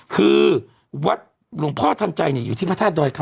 คือวัดหลวงพ่อทันใจอยู่ที่พระธาตุดอยคำ